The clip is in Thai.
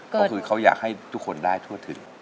ก็คือเขาอยากให้ทุกคนได้ทั่วถึง